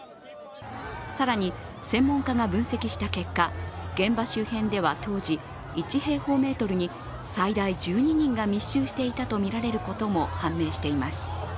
更に、専門家が分析した結果、現場周辺では当時、１平方メートルに最大１２人が密集していたとみられることも判明しています。